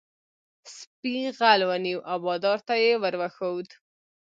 سپي غل ونیو او بادار ته یې ور وښود.